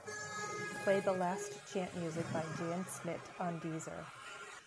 Play the last chant music by Jan Smit on Deezer.